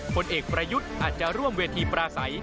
ผลเอกประยุทธ์อาจจะร่วมเวทีปราศัย